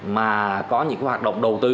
mà có những hoạt động đầu tư